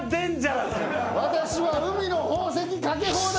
私は海の宝石かけ放題！